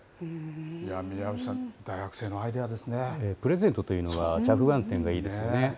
いや、宮内さん、大学生のアイデプレゼントというのが、着眼点がいいですよね。